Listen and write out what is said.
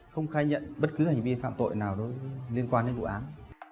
không khai nhận bất cứ hành vi phạm tội nào liên quan đến vụ án